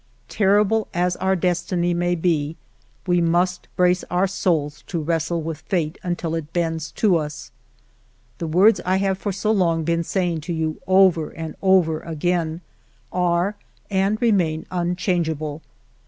Terrible as our des tiny may be, we must brace our souls to wrestle with fate until it bends to us. " The words I have for so long been saying to you over and over again are and remain unchange able.